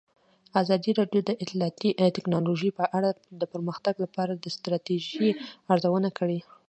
ازادي راډیو د اطلاعاتی تکنالوژي په اړه د پرمختګ لپاره د ستراتیژۍ ارزونه کړې.